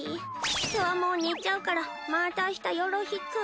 今日はもう寝ちゃうからまた明日よろしく。